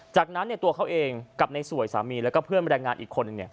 จากนั้นตัวเขาเองกับในสวยสามีแล้วก็เพื่อนแรงงานอีกคนนึง